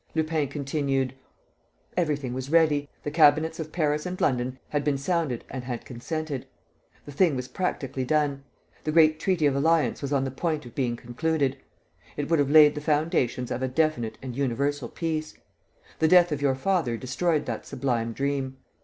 Lupin continued: "Everything was ready. The cabinets of Paris and London had been sounded and had consented. The thing was practically done. The great treaty of alliance was on the point of being concluded. It would have laid the foundations of a definite and universal peace. The death of your father destroyed that sublime dream.